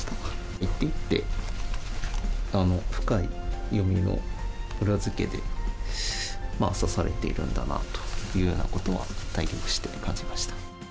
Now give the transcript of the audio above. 一手一手、深い読みの裏付けで指されているんだなということは、対局して感じました。